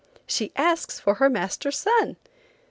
She asks for her master's son!